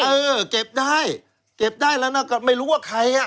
เออเก็บได้เก็บได้แล้วนะก็ไม่รู้ว่าใครอ่ะ